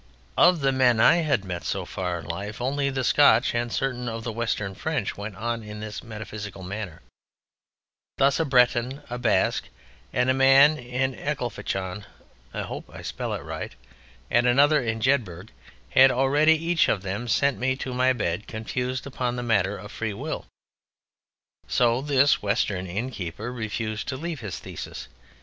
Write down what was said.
Of the men I had met so far in life, only the Scotch and certain of the Western French went on in this metaphysical manner: thus a Breton, a Basque, and a man in Ecclefechan (I hope I spell it right) and another in Jedburgh had already each of them sent me to my bed confused upon the matter of free will. So this Western innkeeper refused to leave his thesis.